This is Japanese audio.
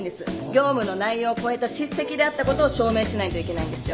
業務の内容を超えた叱責であったことを証明しないといけないんですよ。